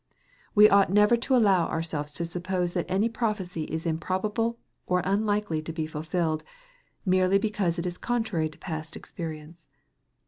We ought never to allow ourselves to suppose that any prophecy is improbable or unlikely to be fulfilled, merely because it is contrary to past experience.